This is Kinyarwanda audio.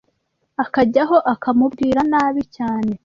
akajyaho akamubwira nabi cyane,